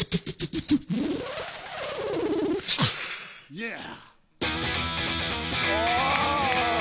イェア！